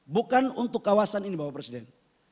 bukan untuk kawasan ini bapak presiden